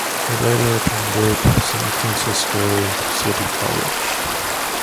He later attended San Francisco City College.